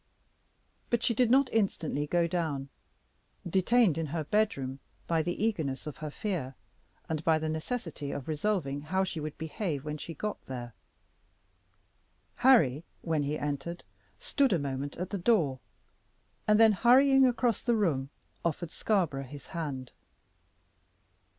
But she did not instantly go down, detained in her bedroom by the eagerness of her fear, and by the necessity of resolving how she would behave when she got there. Harry, when he entered, stood a moment at the door, and then, hurrying across the room, offered Scarborough his hand.